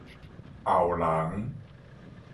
後壠